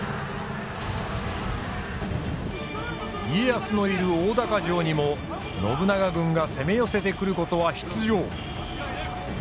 家康のいる大高城にも信長軍が攻め寄せてくることは必定。